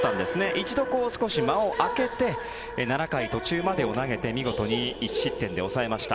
一度、少し間を開けて７回途中までを投げて見事に１失点で抑えました。